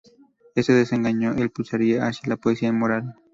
Este desengaño le impulsará hacia la poesía moral.